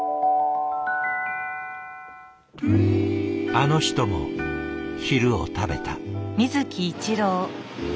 あの人も昼を食べた。